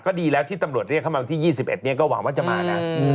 ก็ดีแล้วที่ตำรวจเรียกเข้ามาวันที่๒๑เนี่ยก็หวังว่าจะมานะ